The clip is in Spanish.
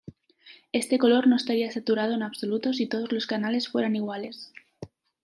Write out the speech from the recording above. Este color no estaría saturado en absoluto si todos los canales fueran iguales.